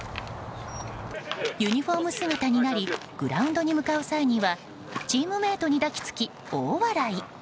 ユニホーム姿になりグラウンドに向かう際にはチームメートに抱き付き大笑い。